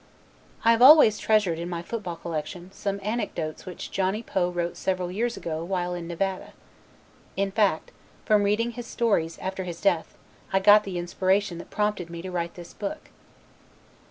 I have always treasured, in my football collection, some anecdotes which Johnny Poe wrote several years ago while in Nevada. In fact, from reading his stories, after his death, I got the inspiration that prompted me to write this book.